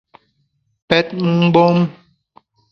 Pèt mgbom !